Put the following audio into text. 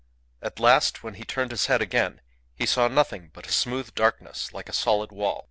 At last, when he turned his head again, he saw nothing but a smooth darkness, like a solid wall.